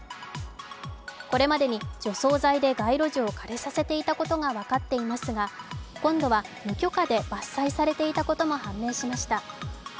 これまでに除草剤で街路樹を枯れさせていたことが分かっていますが今度は無許可で伐採されていたことも判明しました。